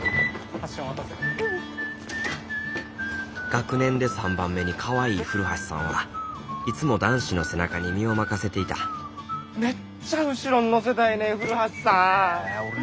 学年で３番目にかわいい古橋さんはいつも男子の背中に身を任せていためっちゃ後ろに乗せたいねん古橋さん！